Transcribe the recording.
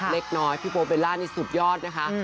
เล็กน้อยพี่โบเบลล่านี่สุดยอดนะคะ